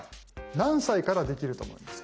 何歳からできると思いますか？